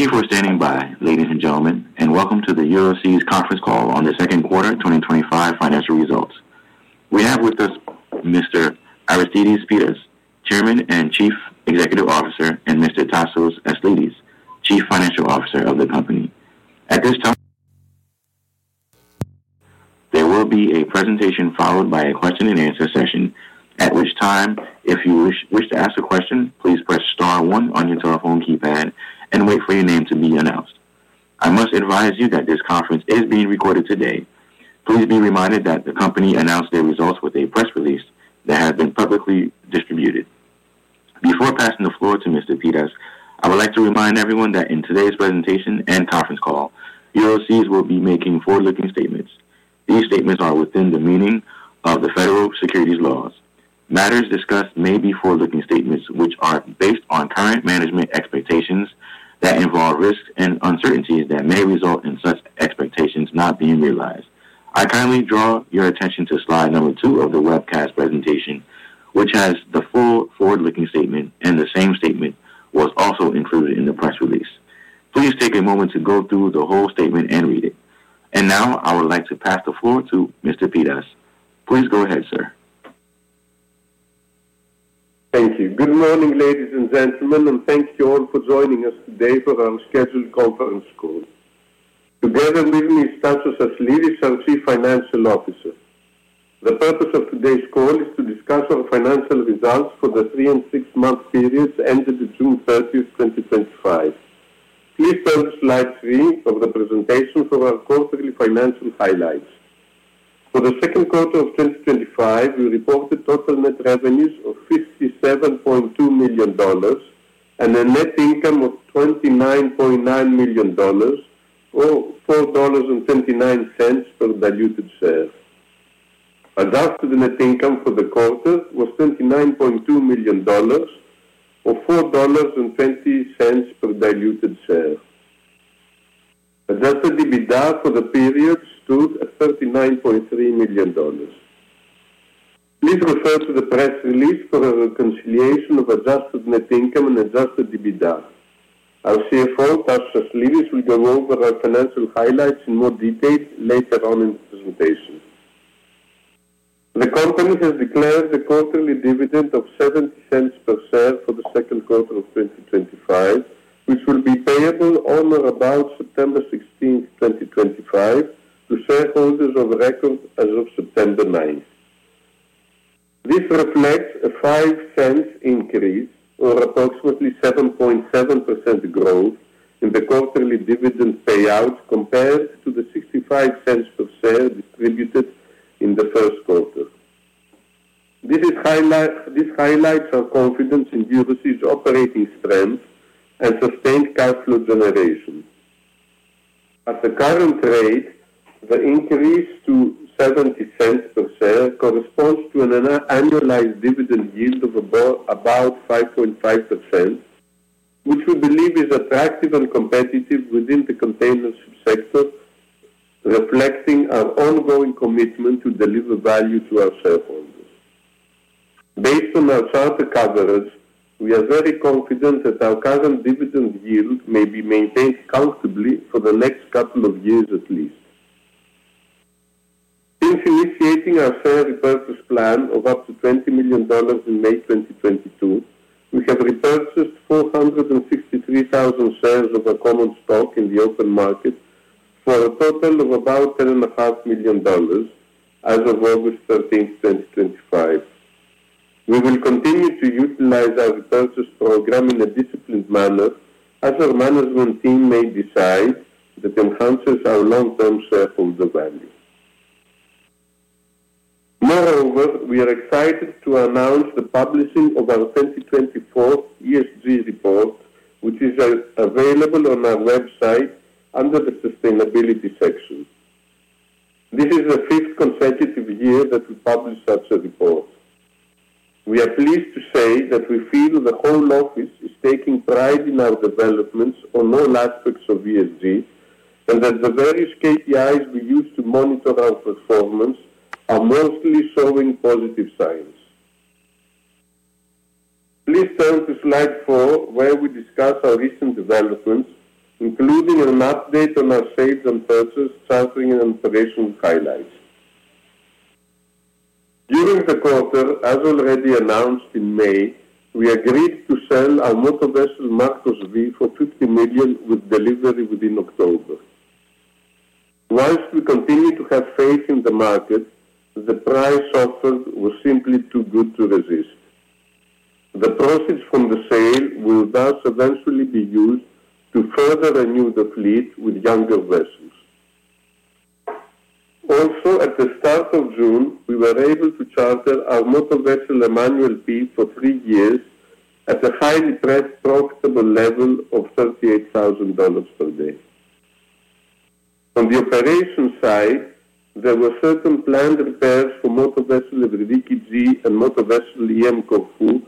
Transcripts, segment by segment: Thank you for standing by, ladies and gentlemen, and welcome to the Euroseas Conference Call on the Second Quarter 2025 Financial Results. We have with us Mr. Aristides Pittas, Chairman and Chief Executive Officer, and Mr. Tasios Aslidis, Chief Financial Officer of the company. There will be a presentation followed by a question and answer session, at which time, if you wish to ask a question, please press star one on your telephone keypad and wait for your name to be announced. I must advise you that this conference is being recorded today. Please be reminded that the company announced their results with a press release that has been publicly distributed. Before passing the floor to Mr. Pittas, I would like to remind everyone that in today's presentation and conference call, Euroseas will be making forward-looking statements. These statements are within the meaning of the Federal Securities Laws. Matters discussed may be forward-looking statements which are based on current management expectations that involve risks and uncertainties that may result in such expectations not being realized. I kindly draw your attention to slide number two of the webcast presentation, which has the full forward-looking statement, and the same statement was also included in the press release. Please take a moment to go through the whole statement and read it. Now I would like to pass the floor to Mr. Pittas. Please go ahead, sir. Thank you. Good morning, ladies and gentlemen, and thanks to all for joining us today for our scheduled conference call. Together with me is Tasios Aslidis, our Chief Financial Officer. The purpose of today's call is to discuss our financial results for the three and six-month period ended June 30th, 2025. Please turn to slide three of the presentation for our quarterly financial highlights. For the second quarter of 2025, we reported total net revenues of $57.2 million and a net income of $29.9 million, or $4.29 per diluted share. Our rough net income for the quarter was $29.2 million, or $4.20 per diluted share. Our adjusted EBITDA for the period stood at $39.3 million. Please refer to the press release for a reconciliation of adjusted net income and adjusted EBITDA. Our CFO, Tasios Aslidis, will go over our financial highlights in more detail later on in the presentation. The company, of course, has a quarterly dividend of $0.07 per share for the second quarter of 2025, which will be payable on or about September 16th, 2025, to shareholders of record as of September 9th. This represents a $0.05 increase or approximately 7.7% growth in the quarterly dividend payout compared to the $0.65 per share distributed in the first quarter. This highlights our confidence in Euroseas operating strength and sustained cash flow generation. At the current rate, the increase to $0.70 per share corresponds to an annualized dividend yield of about 5.5%, which we believe is attractive and competitive within the container sector, reflecting our ongoing commitment to deliver value to our shareholders. Based on our charter coverage, we are very confident that our current dividend yield may be maintained comfortably for the next couple of years at least. Since initiating our share repurchase plan of up to $20 million in May 2022, we have repurchased 463,000 shares of our common stock in the open market for a total of about $10.5 million as of August 13, 2025. We will continue to utilize our repurchase program in a disciplined manner as our management team may decide that enhances our long-term shareholder value. We are excited to announce the publishing of our 2024 ESG report, which is available on our website under the sustainability section. This is our fifth consecutive year that we publish such a report. We are pleased to say that we feel the Home Office is taking pride in our developments on all aspects of ESG and that the various KPIs we use to monitor our performance are mostly showing positive signs. Please turn to slide four where we discuss our recent developments, including an update on our sales and purchase, chartering, and operational highlights. During the quarter, as already announced in May, we agreed to sell our motor vessel MARCOS V for $50 million with delivery within October. Whilst we continue to have strength in the market, the price offer was simply too good to resist. The profits from the sale will thus eventually be used to further renew the fleet with younger vessels. Also, at the start of June, we were able to charter our motor vessel EMMANUEL P for three years at a highly profitable level of $38,000 per day. On the operations side, there were certain planned repairs for motor vessel EVRIDIKI G and motor vessel EM CORFU,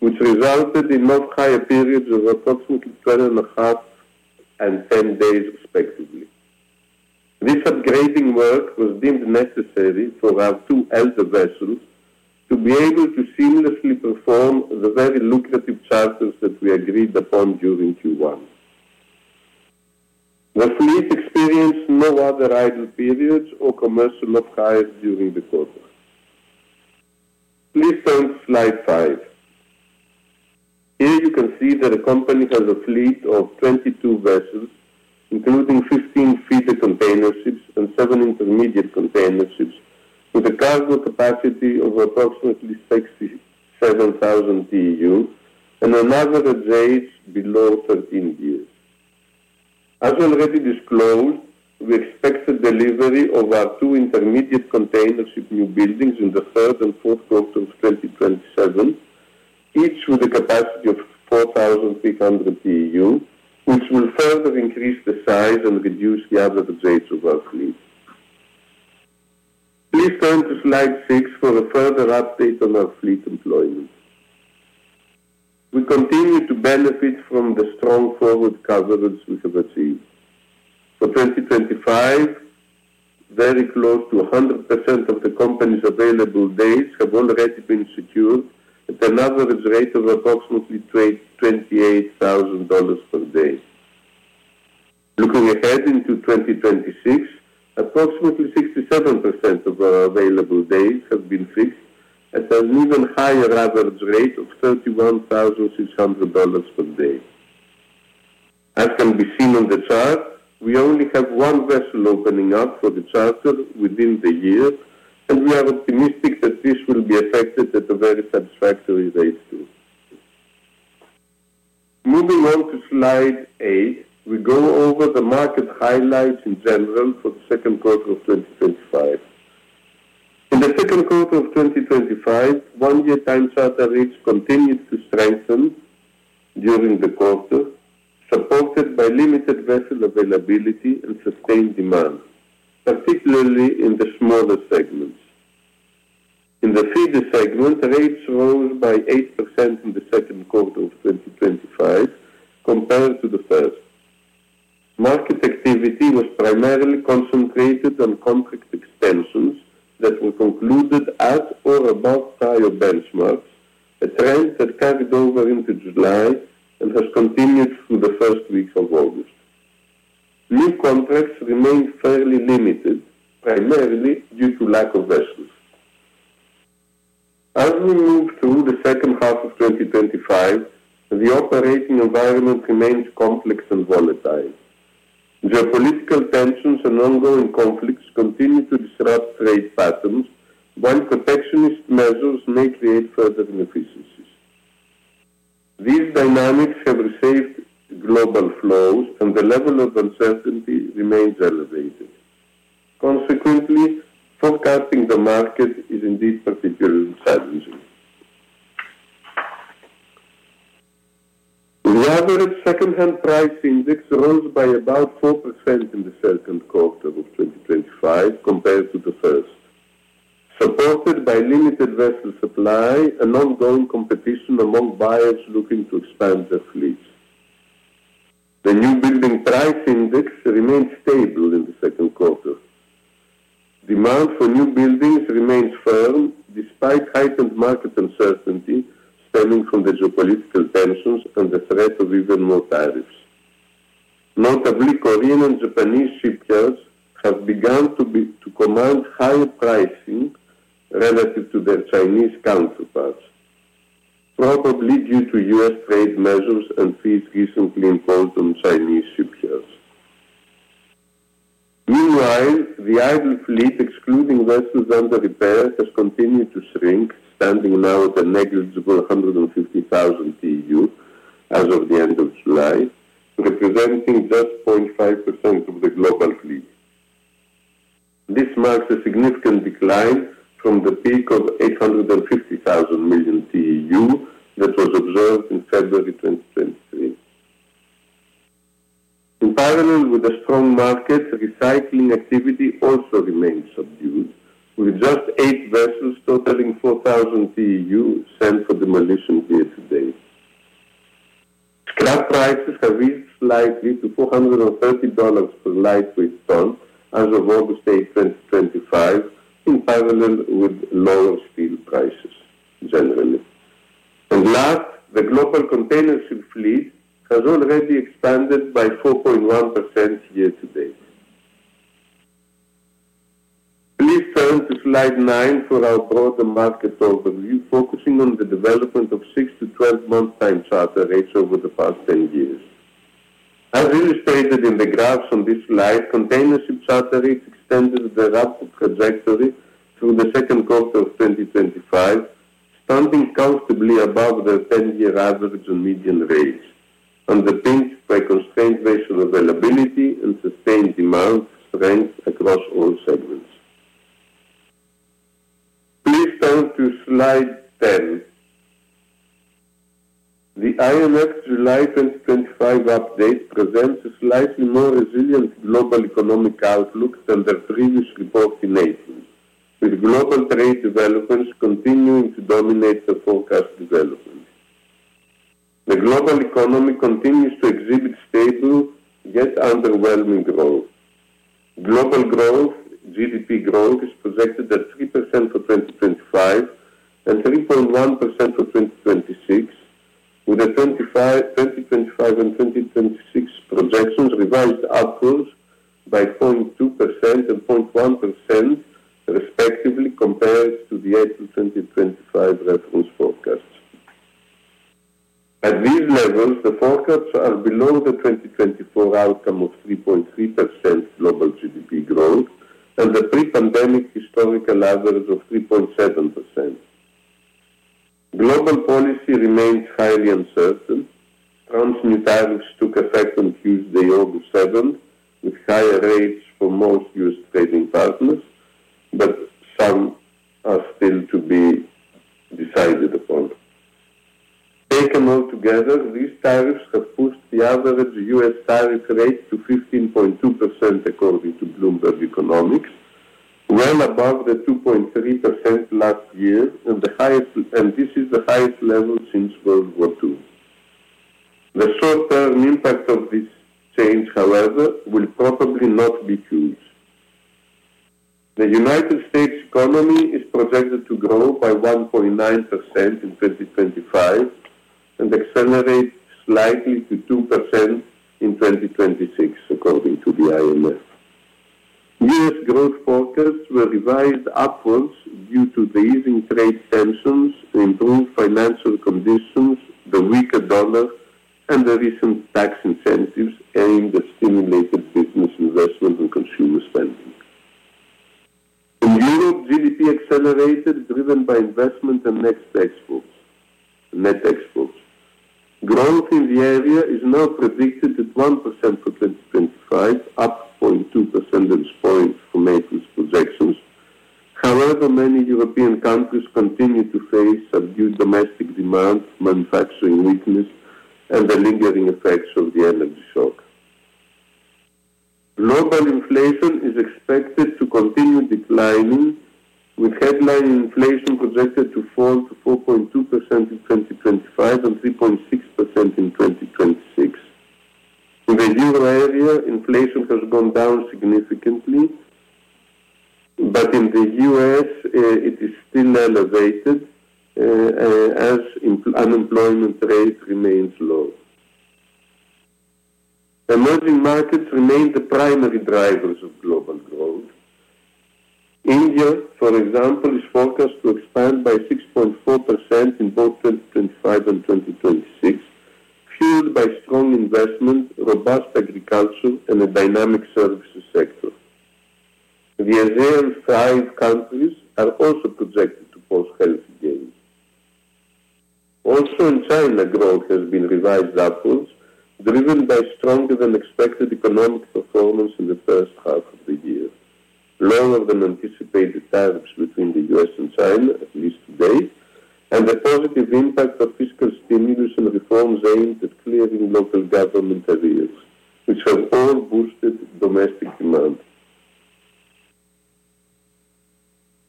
which resulted in much higher periods of approximately 12.5 days and 10 days respectively. This upgrading work was deemed necessary for our two elder vessels to be able to seamlessly perform the very lucrative charters that we agreed upon during Q1. Our fleet experienced no other idle periods or commercial upsides during the quarter. Please turn to slide five. Here you can see that the company has a fleet of 22 vessels, including 15 feeder container ships and seven intermediate container ships with a cargo capacity of approximately 67,000 TEU and an average age below 13 years. As already disclosed, we expect the delivery of our two intermediate container ship newbuilds in the third and fourth quarters of 2027, each with a capacity of 4,500 TEU, which will further increase the size and reduce the average age of our fleet. Please turn to slide six for a further update on our fleet employment. We continue to benefit from the strong forward coverage we have achieved. For 2025, very close to 100% of the company's available days have already been secured at an average rate of approximately $28,000 per day. Looking ahead into 2026, approximately 67% of our available days have been fixed at a new and higher average rate of $31,600 per day. As can be seen on the chart, we only have one vessel opening up for the charter within the year, and we are optimistic that this will be assessed at a very satisfactory rate too. Please turn to slide eight. Here we go over the market highlights in general for the second quarter of 2025. In the second quarter of 2025, one-year time charter reach continued to strengthen during the quarter, supported by limited vessel availability and sustained demand, particularly in the smaller segments. In the feeder segment, rates shrunk by 8% in the second quarter of 2025 compared to the first. Market activity was primarily concentrated on contract extensions that were concluded at or above prior benchmarks, a trend that carried over into July and has continued through the first weeks of August. New contracts remain fairly limited, primarily due to lack of vessels. As we move through the second half of 2025, the operating environment remains complex and volatile. Geopolitical tensions and ongoing conflicts continue to disrupt trade patterns, while protectionist measures may create further inefficiencies. These dynamics have received global flow, and the level of uncertainty remains elevated. Consequently, forecasting the market is indeed particular. The average secondhand price index rose by about 4% in the second quarter of 2025 compared to the first, driven by limited vessel supply and ongoing competition among buyers looking to expand their fleets. The newbuilding price index remains stable in the second quarter. Demand for newbuilds remains firm despite heightened market uncertainty stemming from the geopolitical tensions and the threat of even more tariffs. Notably, Korean and Japanese shipyards have begun to command higher pricing relative to their Chinese counterparts, probably due to U.S. trade measures and fees recently imposed on Chinese shipyards. The idle fleet, excluding vessels under repair, has continued to shrink, standing now at a negligible 150,000 TEU. For the global fleet, this marks a significant decline from the peak of 850,000 TEU that was observed in February 2023. In parallel with the strong market, recycling activity also remains subdued, with just eight vessels totaling 4,000 TEU sent for the Malaysian pier today. That price is a real slight to $430 per lightweight ton as of August 8th, 2025, in parallel with lower steel prices generally. Thus, the global container ship fleet has already expanded by 4.1% year-to-date. Please turn to slide nine for our broader market overview, focusing on the development of six to twelve-month time charter rates over the past ten years. As illustrated in the graphs on this slide, container ship charter rates extended the rapid trajectory through the second quarter of 2025, standing comfortably above their ten-year average and median range, underpinned by constrained vessel availability and sustained demand strength across all segments. The IMF's July 2025 update presents a slightly more resilient global economic outlook than the previous report in Asia, with global trade developments continuing to dominate the forecast development. The global economy continues to exhibit stable, yet underwhelming growth. Global growth, GDP growth, is projected at 3% for 2025 and 3.1% for 2026, with the 2025 and 2026 projections reversed outgrowth by 0.2% and 0.1%, respectively, compared to the April 2025 reference forecast. Admittedly, the forecasts are below the 2024 outcome of 3.3% global GDP growth and the pre-pandemic historical average of 3.7%. Global policy remains highly uncertain. Transmitted tariffs took effect on Tuesday, August 7th, with higher rates for most U.S. trading partners and are still to be decided. Taken altogether, these tariffs have pushed the average U.S. salary rate to 15.2%, according to Bloomberg Economics, well above the 2.3% last year, and this is the highest level since World War II. The short-term impact of this change, however, will probably not be huge. The United States economy is projected to grow by 1.9% in 2025 and accelerate slightly to 2% in 2026, according to the IMF. Previous growth forecasts were revised upwards due to easing trade tensions, improved financial conditions, the weaker dollar, and the recent tax incentives aimed at stimulating business investment and consumer spending. The GDP accelerated, driven by investment and net exports. The growth in the area is now predicted at 1% for 2025, up 0.2% from the office projections. However, many European countries continue to face subdued domestic demand, manufacturing weakness, and the lingering effects of the energy shock. Global inflation is expected to continue declining, with headline inflation projected to fall to 4.2% in 2025 and 3.6% in 2026. In the euro area, inflation has gone down significantly, but in the U.S., it is still elevated as unemployment rate remains low. Emerging markets remain the primary drivers of global growth. India, for example, is forecast to expand by 6.4% in both 2025 and 2026, fueled by strong investment, robust agriculture, and a dynamic services sector. The engineering five countries are also projected to post health gain. Also, in China, growth has been revised upwards, driven by stronger-than-expected economic performance in the first half of the year. There's an anticipated tariffs between the U.S. and China, at least today, and the positive impact of fiscal stimulus and reforms oriented clearly in local government areas, which will boost domestic demand.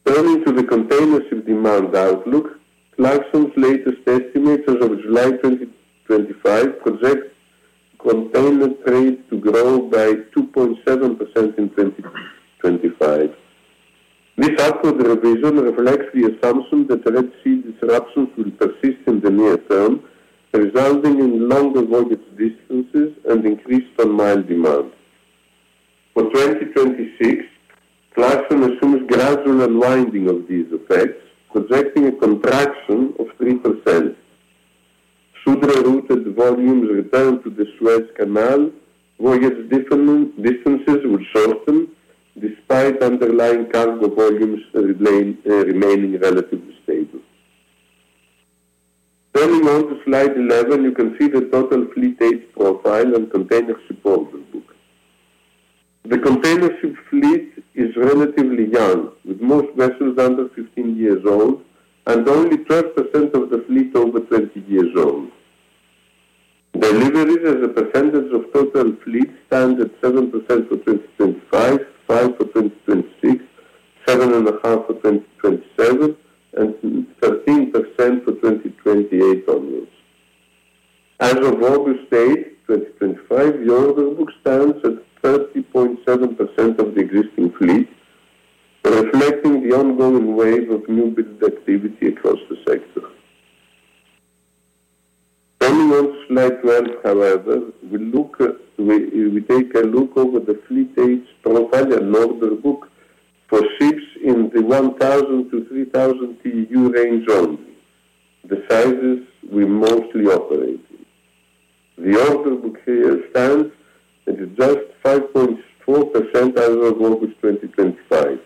Adding to the continuous demand outlook, Clarksons' latest estimate of July 2025 projects the container trade to grow by 2.7% in 2025. This upward revision reflects the assumption that Red Sea disruptions will persist in the near term, resulting in longer voyage distances and increased mile demand. For 2026, Clarksons assumes a gradual unwinding of these effects, projecting a contraction of 3%. Should the route of volumes return to the Suez Canal, voyage distances will shorten despite underlying cargo volumes remaining relatively stable. Turn on to slide 11. You can see the total fleet age profile and container ship overlook. The container ship fleet is relatively young, with most vessels under 15 years old and only 12% of the fleet over 20 years old. The numerator representative of total fleet stands at 7% for 2025, 5% for 2028, and 8% for 2028 only. As of August 8, 2025, the order book stands at 30.7% of the existing fleet, reflecting the ongoing wave of new business activity across the sector. We take a look over the fleet age profile and order book for ships in the 1,000 TEU-3,000 TEU range only. The sizes we mostly operate in. The order book here stands at just 5.4% as of August 2025.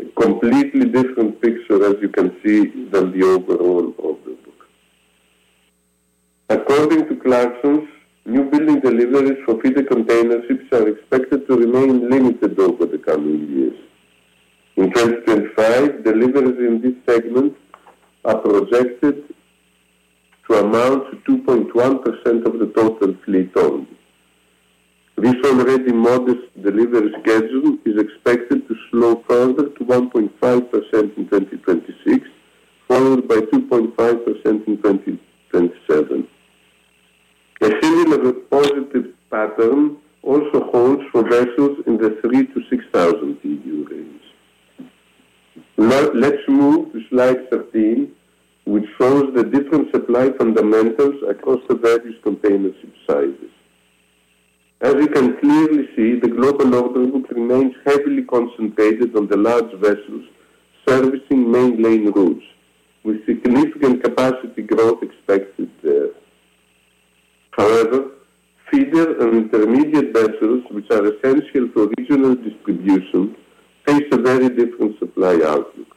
A completely different picture, as you can see, than the overall order book. According to Clarksons's, new building deliveries for feeder container ships are expected to remain limited over the coming years. In 2025, deliveries in this segment are projected to amount to 2.1% of the total fleet only. This already modest delivery schedule is expected to slow further to 1.5% in 2026, followed by 2.5% in 2027. A positive pattern also holds for vessels in the 3,000 TEU-6,000 TEU range. Let's move to slide 13, which shows the different supply fundamentals across the various container ship sizes. As you can clearly see, the global order book remains heavily concentrated on the large vessels servicing main lane routes, with significant capacity growth expected there. However, feeder and intermediate vessels, which are essential to regional distribution, face a very different supply outlook.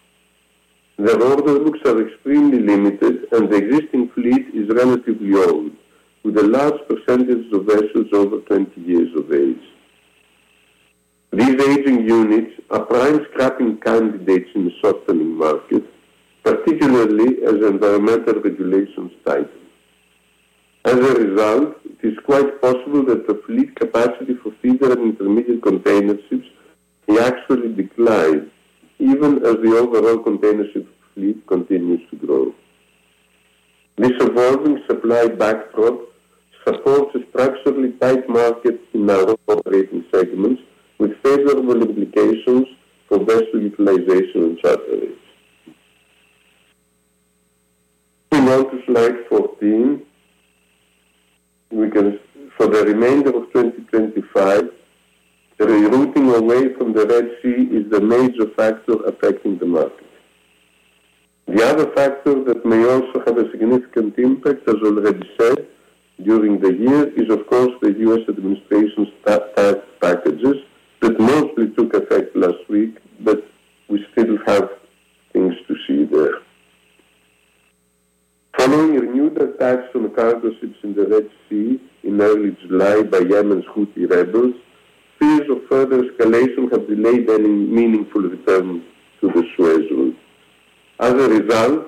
Their order books are extremely limited, and the existing fleet is relatively old, with a large percentage of vessels over 20 years of age. These aging units are prime scrapping candidates in the shuttling market, particularly as environmental regulations tighten. As a result, it is quite possible that the fleet capacity for feeder and intermediate container ships may actually decline, even as the overall container ship fleet continues to grow. This evolving supply backdrop supports a structurally tight market in our operating segments. Turn on to slide 14. We can see for the remainder of 2025, rerouting away from the Red Sea is the major factor affecting the market. The other factor that may also have a significant impact, as already shown during the year, is of course the U.S. administration, which still has things to see with. Following renewed attacks on cargo ships in the Red Sea in early July by Yemen's Houthi rebels, fears of further escalation have delayed any meaningful return to the Suez Road. As a result,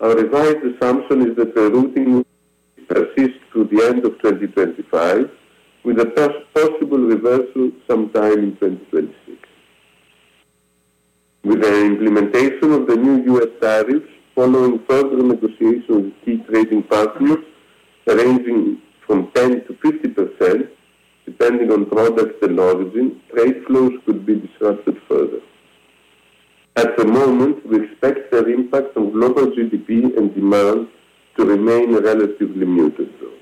our revised assumption is that rerouting persists through the end of 2025, with a possible reversal sometime in 2026. With the implementation of the new U.S. tariffs, following further negotiations with key trading partners, ranging from 10%-50% depending on products and origin, trade flows could be disrupted further. At the moment, we expect their impact on global GDP and demand to remain relatively muted, though.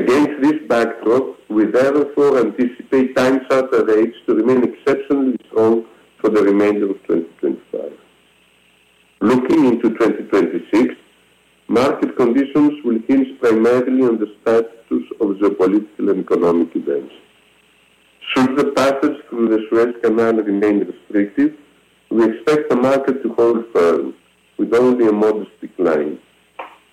Against this backdrop, we therefore anticipate time charter rates to remain exceptionally strong for the remainder of 2025. Looking into 2026, market conditions will hinge primarily on the status of geopolitical and economic events. Should the package from the Suez Canal remain restricted, we expect the market to hold further, with only a modest decline.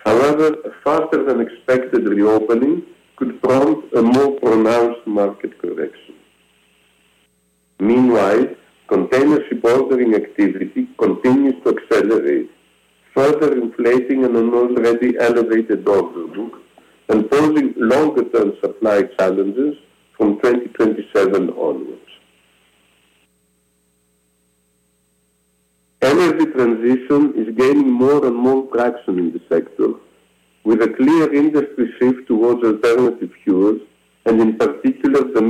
However, a faster than expected reopening could prompt a more pronounced market correction. Meanwhile, container ship ordering activity continues to accelerate, further inflating an already elevated order book and posing longer-term supply challenges from 2027 onwards. The energy transition is gaining more and more traction in the sector, with a clear industry shift towards alternative fuels and, in particular, the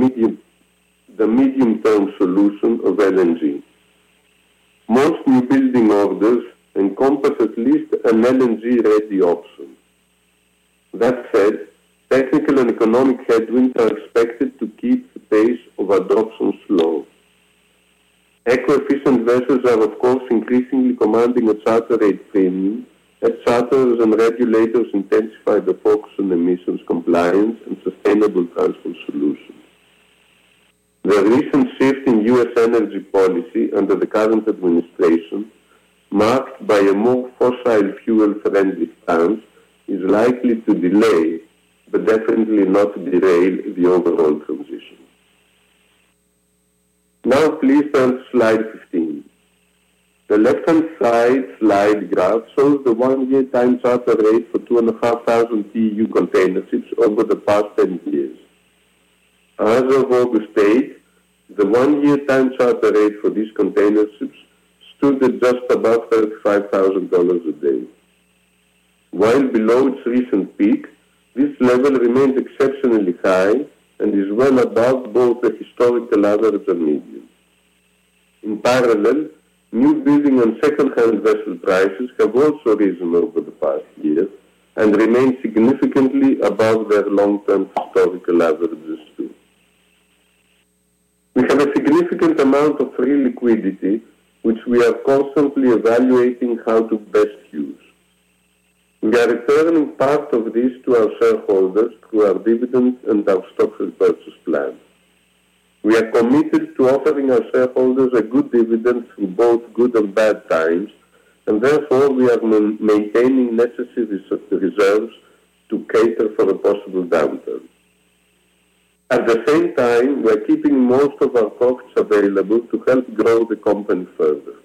medium-term solution of LNG. Most new building orders encompass at least an LNG ready option. That said, technical and economic headwinds are expected to keep the pace of adoption slow. Eco-efficient vessels are, of course, increasingly commanding a charter rate premium as charters and regulators intensify the focus on emissions compliance and sustainable cargo solutions. The emissions shift in U.S. energy policy under the current administration, marked by a more fossil fuel-friendly stance, is likely to delay, but definitely not derail the overall transition. Now, please turn to slide 15. The left-hand side slide graph shows the one-year time charter rate for 2,500 TEU container ships over the past 20 years. As of August 8th, the one-year time charter rate for these container ships stood at just above $35,000 a day. While below its recent peak, this level remains exceptionally high and is well above both the historical average and median. In parallel, newbuilding and secondhand vessel prices have also risen over the past year and remain significantly above their long-term historical averages. We have a significant amount of free liquidity, which we are constantly evaluating how to best use. We are returning part of this to our shareholders through our dividend and our stock repurchase plan. We are committed to offering our shareholders a good dividend in both good and bad times, and therefore we are maintaining necessary reserves to cater for a possible downturn. At the same time, we are keeping most of our profits available to help grow the company further.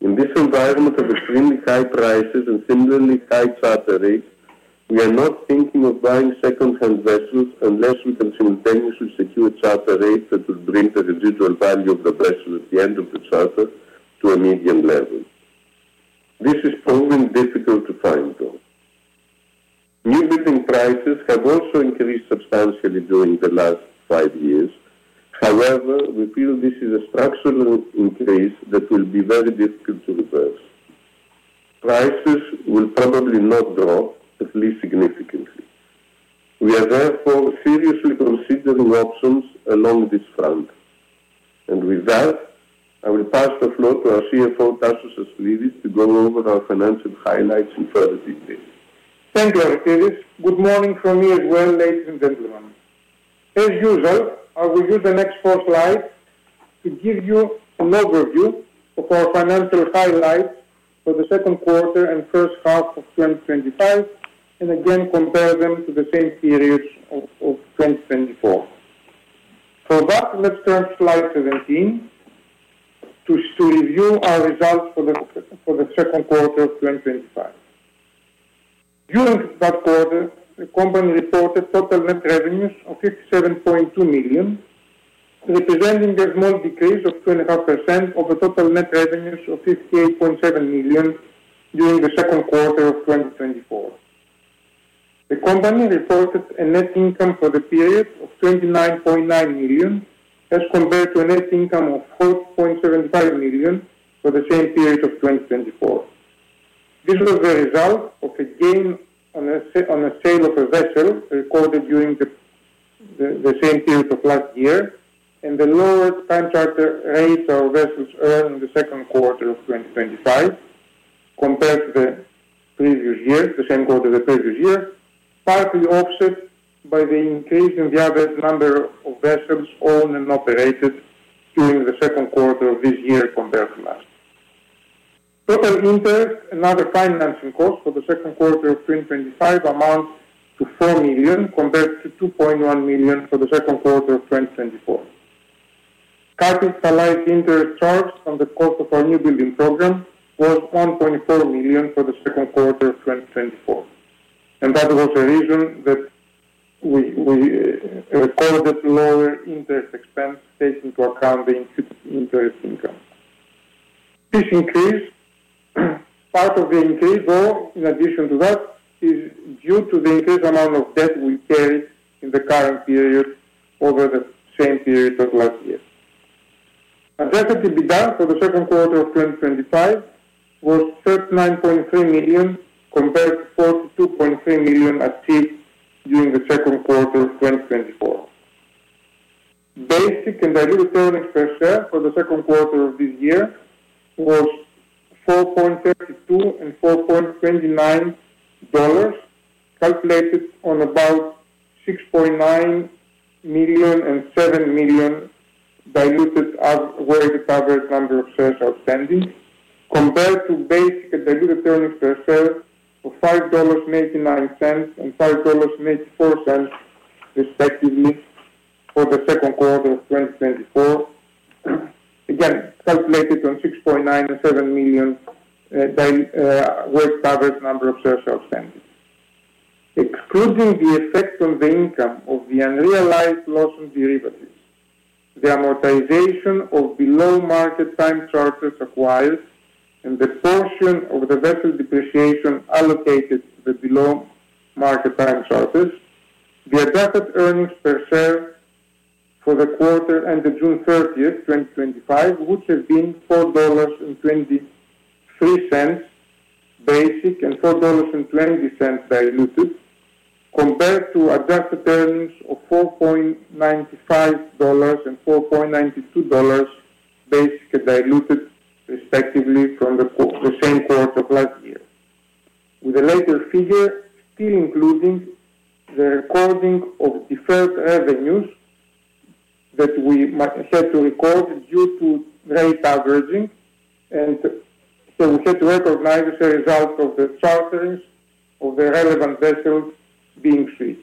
In this environment of extremely high prices and seemingly high charter rates, we are not thinking of buying secondhand vessels unless we can simultaneously secure charter rates that will bring the residual value of the vessel at the end of the charter to a median level. This is proven difficult to find, though. New prices have also increased substantially during the last five years. However, we feel this is a structural increase that will be very difficult to reverse. Prices will probably not drop, at least significantly. We are therefore seriously considering options along this front. With that, I will pass the floor to our CFO, Tasios Aslidis, to go over our financial highlights in further detail. Thank you, Aristides. Good morning from me as well, ladies and gentlemen. As usual, I will use the next four slides to give you an overview of our financial highlights for the second quarter and first half of 2025, and again compare them to the same series of 2024. For that, let's turn to slide 17 to review our results for the second quarter of 2025. During that quarter, the company reported total net revenues of $57.2 million, representing a small decrease of 2.5% of the total net revenues of $58.7 million during the second quarter of 2024. The company reported a net income for the period of $29.9 million, as compared to a net income of $4.75 million for the same period of 2024. This was a result of a gain on a sale of a vessel recorded during the same period of last year, and the lower time charter rates are versus earlier in the second quarter of 2025 compared to the previous year, the same quarter of the previous year, partly offset by the increase in the average number of vessels owned and operated during the second quarter of this year compared to last. Total interest and other financing costs for the second quarter of 2025 amount to $4 million compared to $2.1 million for the second quarter of 2024. Capitalized interest charged on the cost of our newbuilds program was on $24 million for the second quarter of 2024. Interest expense takes into account the increased interest income. Part of the increase, though, in addition to that, is due to the increased amount of debt we carry in the current period over the same period of last year. Adjusted EBITDA for the second quarter of 2025 was $39.3 million compared to $42.3 million achieved during the second quarter of 2024. The ship in diluted earnings per share for the second quarter of this year was $4.62 and $4.29, calculated on about 6.9 million and 7 million diluted average number of shares outstanding, compared to basic diluted earnings per share for $5.99 and $5.94 respectively for the second quarter of 2024, again calculated on 6.9 million and 7 million average number of shares outstanding. Excluding the effects on the income of the unrealized loss and derivatives, the amortization of below market time charters acquired, and the portion of the vessel depreciation allocated to the below market time charters, the adjusted earnings per share for the quarter ended June 30th, 2025, would have been $4.23 basic and $4.20 diluted, compared to adjusted earnings of $4.95 and $4.92 basic and diluted, respectively, from the same quarter of last year, with the latter figure still including the recording of deferred revenues that we had to record due to rate averaging and that we had to recognize as a result of the chartering of the relevant vessel being free.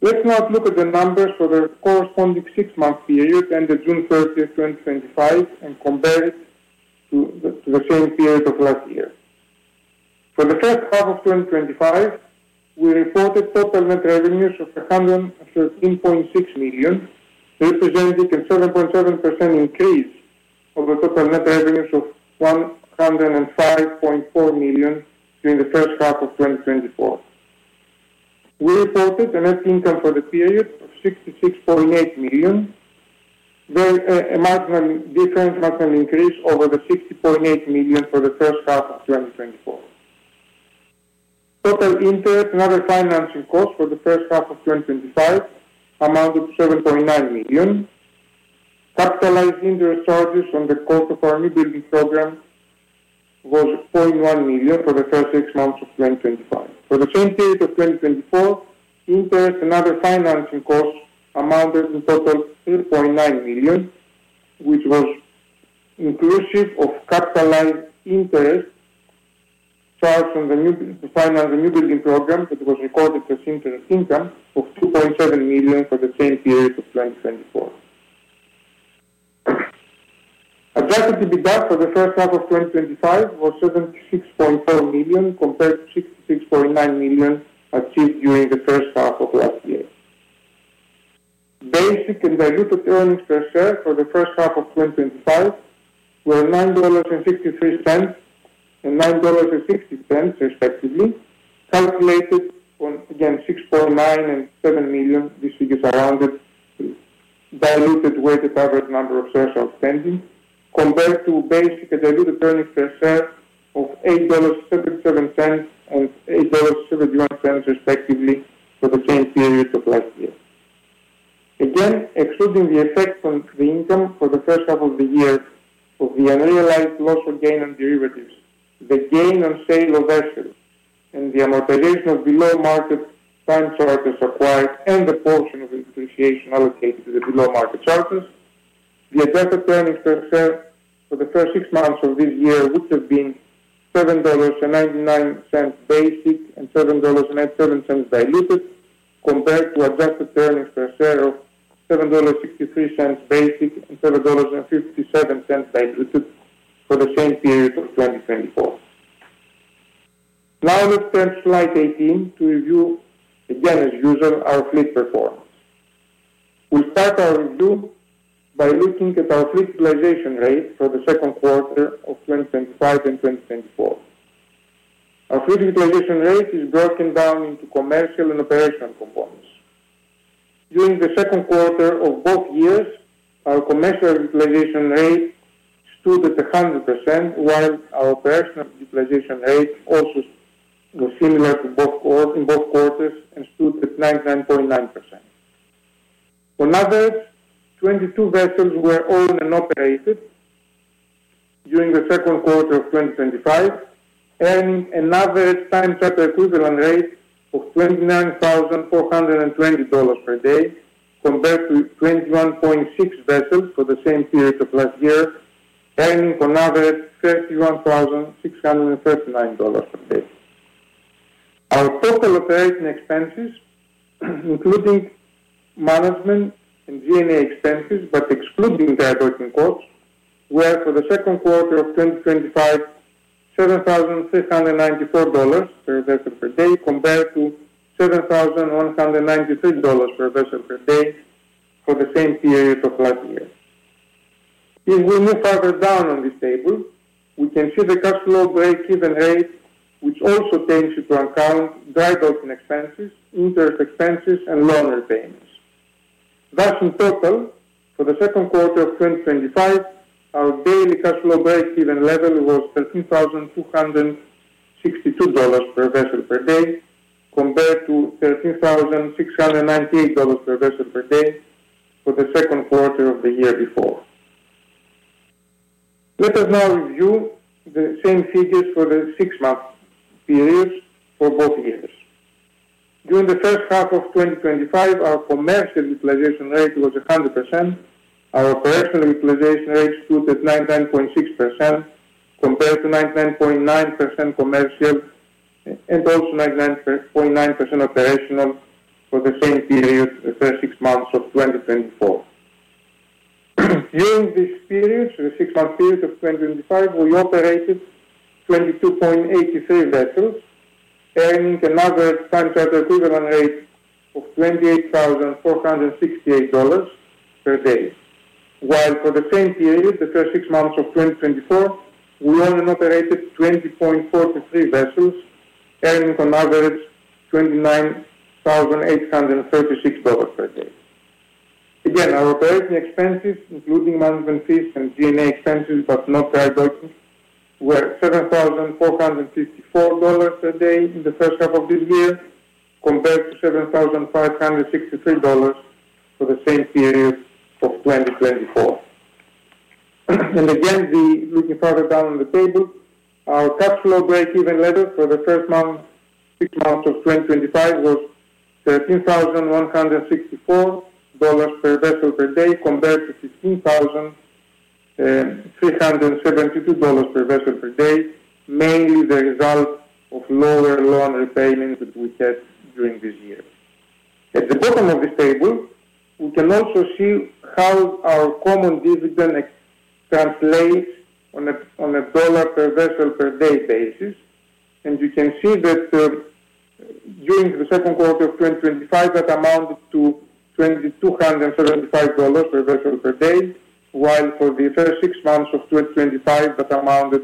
Let's now look at the numbers for the corresponding six-month period ended June 30th, 2025, and compare it to the same period of last year. For the first half of 2025, we reported total net revenues of $113.6 million, representing a 7.7% increase over the total net revenues of $105.4 million during the first half of 2024. We reported a net income for the period of $66.8 million, a marginally different margin increase over the $60.8 million for the first half of 2024. Total interest and other financing costs for the first half of 2025 amounted to $7.9 million. Capitalized interest charges on the cost of our newbuild program was $0.9 million for the first six months of 2025. For the same period of 2024, interest and other financing costs amounted to $4.9 million, which was inclusive of capitalized interest charged on the new final renewal program that was referred to as interest income of $2.7 million for the same period of 2024. Adjusted EBITDA for the first half of 2025 was $76.4 million compared to $66.9 million achieved during the first half of last year. Basic and diluted earnings per share for the first half of 2025 were $9.63 and $9.60, respectively, estimated on again 6.9 million and 7 million, which is around the diluted weighted average number of shares outstanding, compared to basic and diluted earnings per share of $8.77 and $8.71, respectively, for the same period of last year. Again, excluding the effects on free income for the first half of the year of the unrealized loss and gain on derivatives, the gain on sale of vessels, and the amortization of below market time charters acquired and the portion of the depreciation allocated to the below market charters, the adjusted earnings per share for the first six months of this year would have been $7.99 basic and $7.97 diluted, compared to adjusted earnings per share of $7.63 basic and $7.57 diluted for the same period of 2024. Now let's turn to slide 18 to review, again as usual, our fleet perform. We start our review by looking at our fleet utilization rate for the second quarter of 2025 and 2024. Our fleet utilization rate is broken down into commercial and operational components. During the second quarter of both years, our commercial utilization rate stood at 100%, while our operational utilization rate also was similar in both quarters and stood at 99.9%. On average, 22 vessels were owned and operated during the second quarter of 2025, earning an average time charter equivalent rate of $29,420 per day, compared to 29.6 vessels for the same period of last year, earning an average of $31,639 per day. Our total operating expenses, including management and G&A expenses, but excluding direct working costs, were for the second quarter of 2025 $7,694 per vessel per day, compared to $7,193 per vessel per day for the same period of last year. If we move further down on this table, we can see the customer break-even rate, which also takes into account direct working expenses, interest expenses, and loan repayments. That in total, for the second quarter of 2025, our daily customer break-even level was $13,262 per vessel per day, compared to $13,698 per vessel per day for the second quarter of the year before. Let us now review the same figures for the six-month period for both years. During the first half of 2025, our commercial utilization rate was 100%. Our position utilization rate stood at 99.6%, compared to 99.9% commercial and also 99.9% operational for the same period of the six months of 2024. During this period, the six-month period of 2025, we operated 22.83 vessels, earning an average time charter equivalent rate of $28,468 per day, while for the same period, the first six months of 2024, we owned and operated 20.43 vessels, earning an average of $29,836 per day. Again, our operating expenses, including management fees and G&A expenses, but not direct working, were $7,454 per day in the first half of this year, compared to $7,563 for the same period of 2024. Looking further down on the table, our customer break-even level for the first six months of 2025 was $13,164 per vessel per day, compared to $15,372 per vessel per day, mainly the result of lower loan repayments that we had during this year. At the bottom of this table, we can also see how our common dividend translates on a dollar per vessel per day basis. You can see that during the second quarter of 2025, that amounted to $2,275 per vessel per day, while for the first six months of 2025, that amounted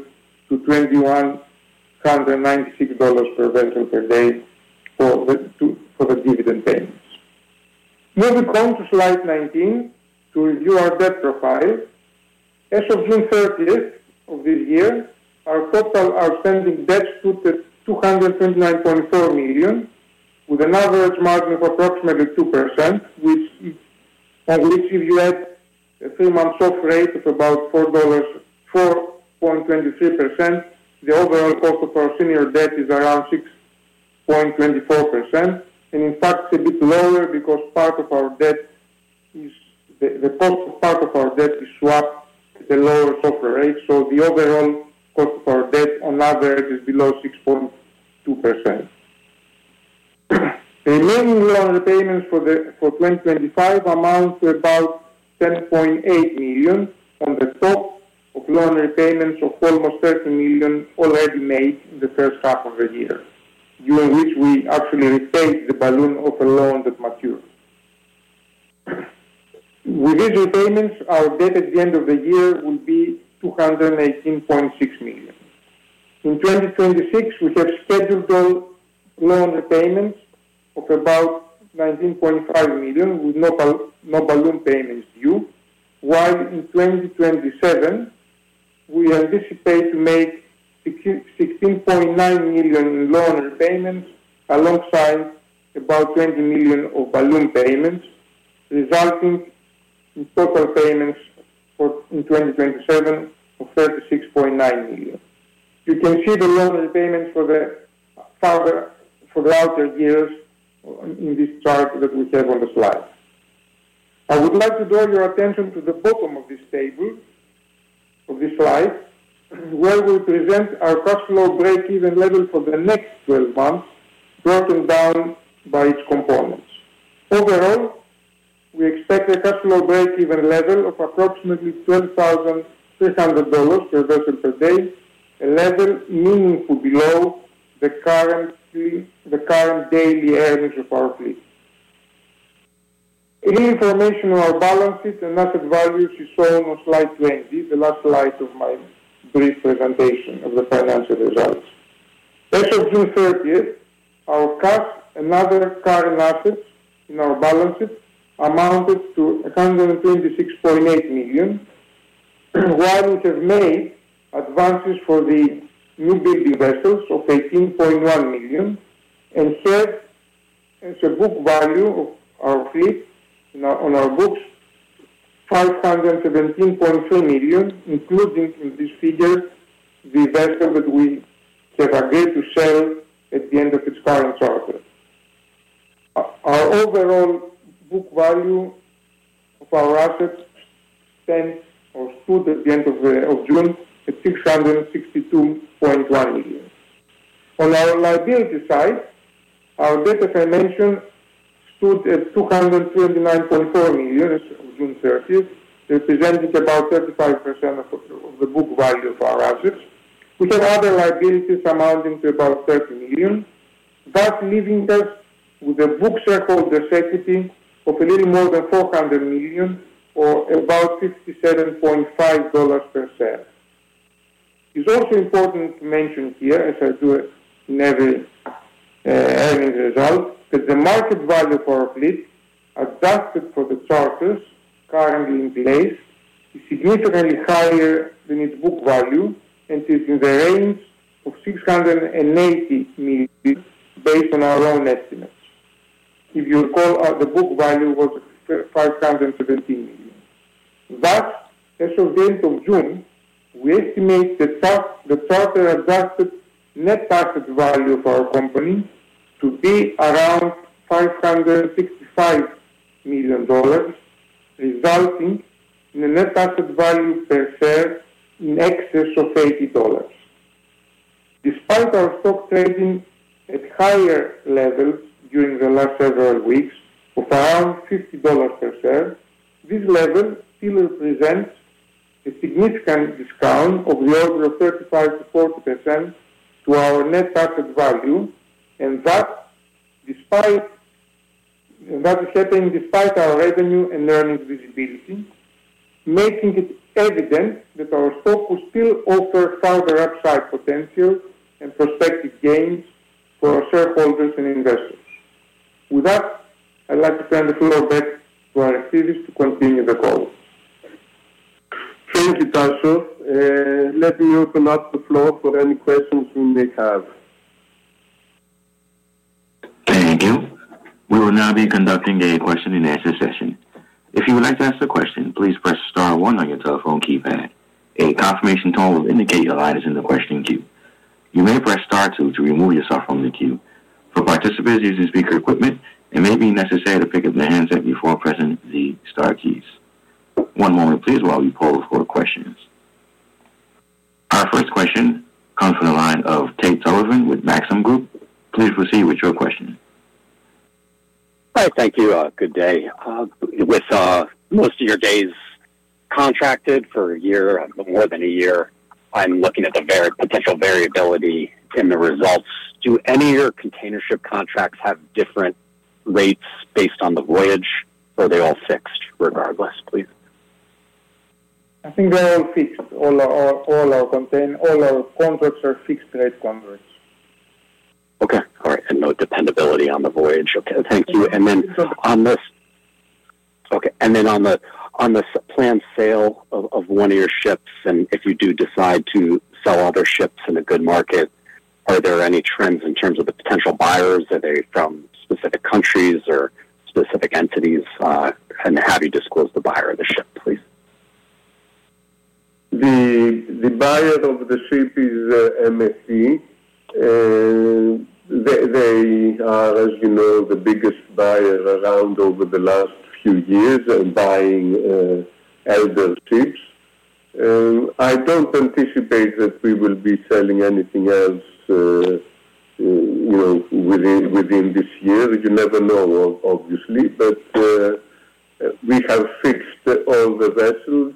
to $2,196 per vessel per day for the dividend earnings. Here we come to slide 19 to review our debt profile. As of June 30th of this year, our total outstanding debt stood at $229.4 million, with an average margin of approximately 2%, which, if you add a three-month shelf rate of about 4.23%, the overall cost of our senior debt is around 6.24%. In fact, it's a bit lower because part of our debt is swept at the lower shelf rate. The overall cost on average is below 6.2%. Loan repayments for 2025 amount to about $10.8 million on top of loan repayments of almost $30 million already made in the first half of the year, during which we actually received the balloon of the loan that matured. With these improvements, our debt at the end of the year will be $218.6 million. In 2026, we perceive loan repayments of about $19.5 million with no balloon payments due, while in 2027, we anticipate making $16.9 million loan repayments alongside about $20 million of balloon payments, resulting in total payments in 2027 of $36.9 million. You can see the loan repayments for the outer years in this chart that we have on the slide. I would like to draw your attention to the bottom of this table of this slide, where we present our customer break-even level for the next 12 months, scaled down by each component. Overall, we expect a customer break-even level of approximately $12,300 per vessel per day, a level meaningfully below the current daily earnings of our fleet. Any information on our balance sheet and asset values is shown on slide 20, the last slide of my brief presentation of the financial results. As of June 30th, our cash and other current assets in our balance sheet amounted to $126.8 million, while we have made advances for the new building vessels of $18.9 million and serve as a book value of our fleet on our books of $517.4 million, including in this figure the vessel that we have agreed to sell at the end of its current charter. Our overall book value of our assets stood at the end of June at $662.1 million. On our liability side, our debt, as I mentioned, stood at $229.3 million as of June 30th, representing about 35% of the book value of our assets, with other liabilities amounting to about $30 million, thus leaving us with a book shareholder equity of a little more than $400 million or about $57.5 per share. It's also important to mention here, as I do in every result, that the market value for our fleet, adjusted for the charter currently in place, is significantly higher than its book value and is in the range of $690 million based on our own estimates. If you recall, the book value was $517 million. Thus, as of the end of June, we estimate the charter-adjusted net asset value of our company to be around $565 million, resulting in a net asset value per share in excess of $80. Despite our stock trading at higher levels during the last several weeks of around $50 per share, this level still represents a significant discount of an average of 35%-40% to our net asset value. This is happening despite our revenue and earnings visibility, making it evident that our stock will still offer further upside potential and prospective gains for our shareholders and investors. With that, I'd like to turn the floor back to our assiduous to welcome you to the call. This is the title. Let me open up the floor for any questions you may have. There you go. We will now be conducting a question-and-answer session. If you wish to ask a question, please press star one on your telephone keypad. A confirmation tone will indicate your line is in the question queue. You may press star two to remove yourself from the queue. For participants using speaker equipment, it may be necessary to pick up the handset before pressing the star keys. One moment, please, while we poll for questions. The first question comes from the line of Tate Sullivan with Maxim Group. Tate, proceed with your question. Hi, thank you. Good day. With most of your days contracted for a year, more than a year, I'm looking at the potential variability in the reserves. Do any of your container ship contracts have different rates based on the voyage, or are they all fixed regardless, please? I think they're fixed, all our contracts are fixed-rate contracts. Okay. On the planned sale of one of your ships, if you do decide to sell other ships in a good market, are there any trends in terms of the potential buyers? Are they from specific countries or specific entities? If you disclose the buyer of the ship, please. The buyer of the ship is MSC. They, as you know, are the biggest buyer around over the last few years and buying LDO ships. I don't anticipate that we will be selling anything else within this year. You never know, obviously, but we have fixed all the vessels.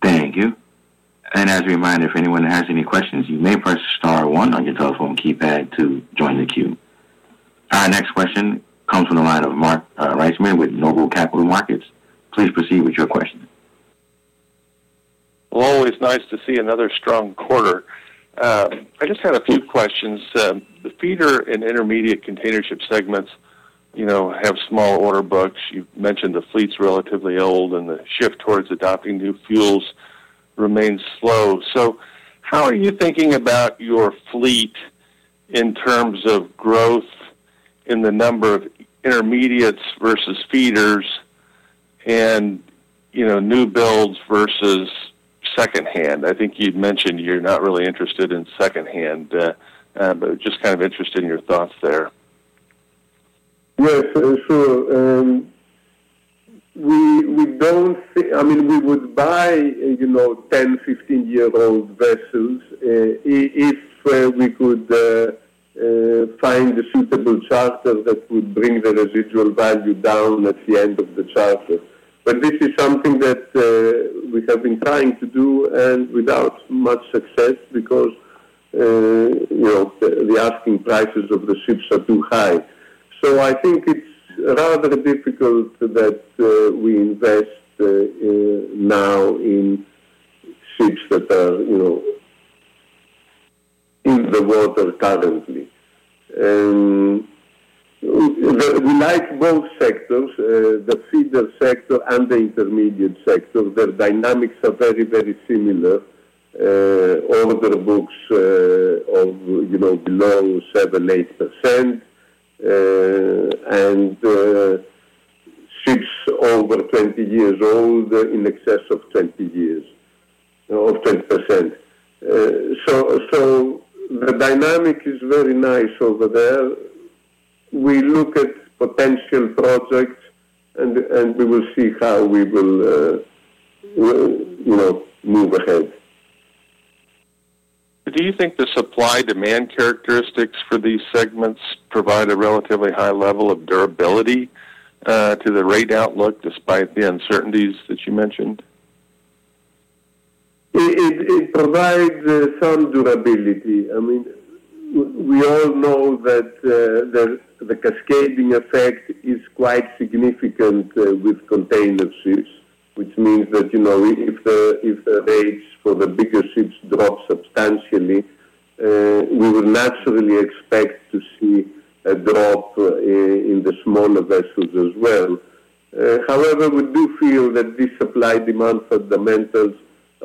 Thank you. As a reminder, if anyone has any questions, you may press star one on your telephone keypad to join the queue. Next question comes from the line of Mark Reichman with NOBLE Capital Markets. Please proceed with your question. Always nice to see another strong quarter. I just had a few questions. The feeder and intermediate container ship segments have small order books. You mentioned the fleet's relatively old and the shift towards adopting new fuels remains slow. How are you thinking about your fleet in terms of growth in the number of intermediates versus feeders and newbuilds versus secondhand? I think you'd mentioned you're not really interested in secondhand, but I'm just kind of interested in your thoughts there. I mean, we would buy, you know, 10 year old, 15-year-old vessels. It's where we could find a suitable charter that would bring the residual value down at the end of the charter. This is something that we have been trying to do without much success because, you know, the asking prices of the ships are too high. I think it's rather difficult that we invest now in ships that are, you know, the world are currently. We like both sectors, the feeder sector and the intermediate sector. Their dynamics are very, very similar. Order books all below 7%, 8% and ships over 20 years old in excess of 20 years, all 20%. The dynamic is very nice over there. We look at potential projects and we will see how we will, you know, move ahead. Do you think the supply-demand characteristics for these segments provide a relatively high level of durability to the rate outlook despite the uncertainties that you mentioned? It provides some durability. I mean, we all know that the cascading effect is quite significant with container ships, which means that, you know, if the rates for the bigger ships drop substantially, we will naturally expect to see a drop in the smaller vessels as well. However, we do feel that these supply-demand fundamentals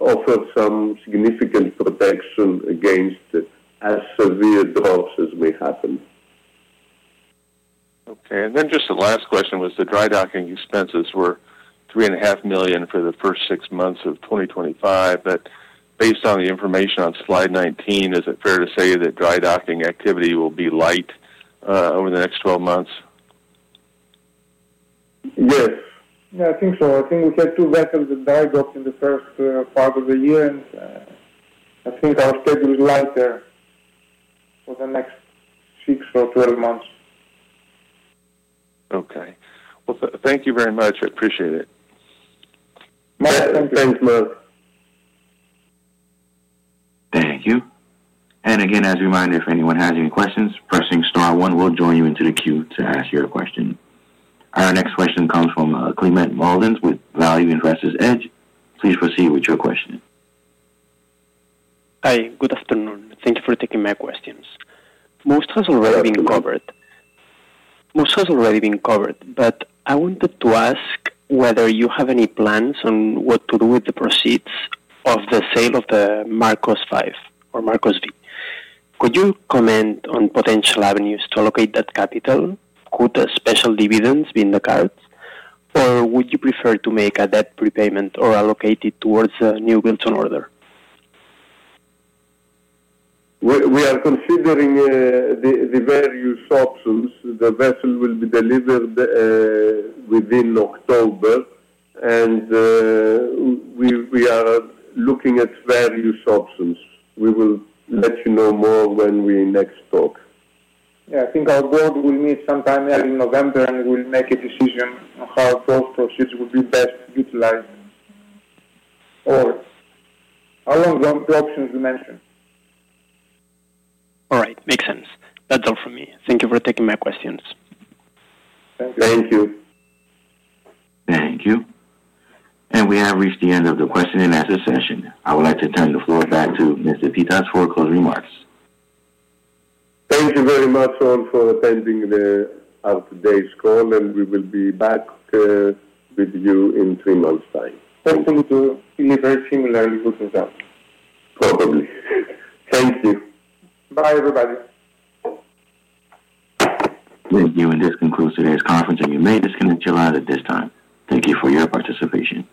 offer some significant protection against as severe drops as may happen. Okay. The last question was the dry docking expenses were $3.5 million for the first six months of 2025. Based on the information on slide 19, is it fair to say that dry docking activity will be light over the next 12 months? Yes. Yeah, I think so. I think we've had two vessels that dried up in the first part of the year, and I think the after will be lighter for the next 6 months or 12 months. Thank you very much. I appreciate it. Thanks, Mark. Thank you. As a reminder, if anyone has any questions, pressing star one will join you into the queue to ask your question. The next question comes from Clement Mullins with Value Investors Edge. Please proceed with your question. Hi. Good afternoon. Thank you for taking my questions. Most has already been covered, but I wanted to ask whether you have any plans on what to do with the proceeds of the sale of the MARCOS V. Could you comment on potential avenues to allocate that capital? Could special dividends be in the cards? Would you prefer to make a debt prepayment or allocate it towards a newbuild on order? We are considering the various options. The vessel will be delivered within October, and we are looking at various options. We will let you know more when we next talk. I think our group will meet sometime early in November and we'll make a decision on the options you mentioned. All right. Makes sense. That's all from me. Thank you for taking my questions. Thank you. Thank you. Thank you. We have reached the end of the question and answer session. I would like to turn the floor back to Mr. Pittas for closing remarks. Thank you very much, all, for attending our today's call. We will be back with you in three months' time. Thank you, too. It is a similarly good result. Thank you. This concludes today's conference, and you may disconnect your line at this time. Thank you for your participation.